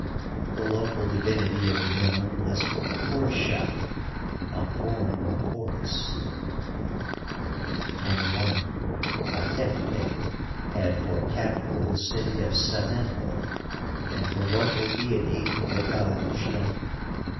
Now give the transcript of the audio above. The local divinity of the nome was Horshdfi, a form of Horus. XXI. Atefpek had for capital the city of Semenhar, and for local deity the god Chnum.